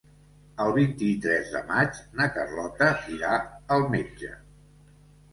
El vint-i-tres de maig na Carlota irà al metge.